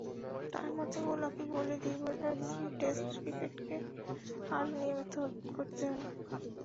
তাঁর মতে, গোলাপি বলে দিবারাত্রির টেস্ট ক্রিকেটকে আরও নিয়মিত করতে হবে।